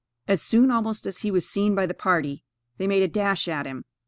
As soon almost as he was seen by the party, they made a dash at him.